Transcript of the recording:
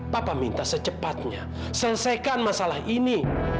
papa minta secepatnya selesaikan masalah ini